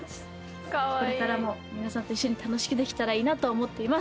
これからも皆さんと一緒に楽しくできたらいいなと思っています。